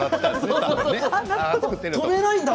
止めないんだ